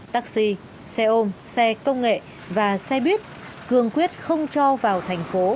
taxi xe ôm xe công nghệ và xe buýt cương quyết không cho vào thành phố